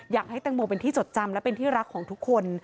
อยากให้แตงโมเป็นที่จดจำและเป็นที่รักของทุกคน